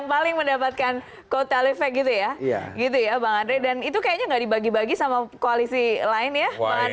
bukan gak dibagi ya